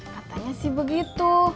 katanya sih begitu